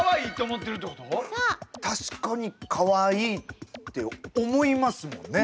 確かにカワイイって思いますもんね。